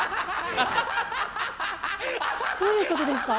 どういうことですか？